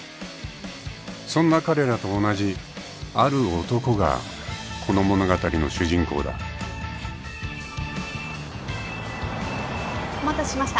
［そんな彼らと同じある男がこの物語の主人公だ］お待たせしました。